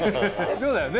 そうだよね。